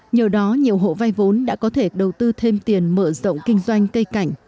nhờ đó nhiều hộ vay vốn đã có thể đầu tư thêm tiền mở rộng kinh doanh cây cảnh